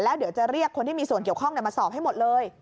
แล้วเดี๋ยวจะเรียกคนที่มีส่วนเกี่ยวข้องมาสอบให้หมดเลย